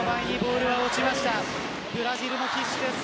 ブラジルも必死です。